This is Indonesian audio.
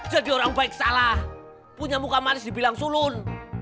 jadi orang baik salah punya muka manis dibilang sulun